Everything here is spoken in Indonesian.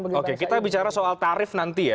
oke kita bicara soal tarif nanti ya